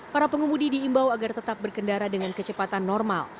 para pengemudi diimbau agar tetap berkendara dengan kecepatan normal